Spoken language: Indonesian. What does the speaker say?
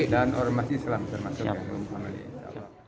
dan ormas islam termasuk